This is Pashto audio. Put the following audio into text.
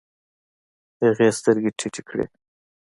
هغې سترګې ټيټې کړې.